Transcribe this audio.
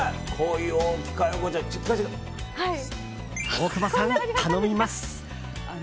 大久保さん、頼みます。